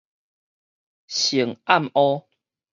乘暗烏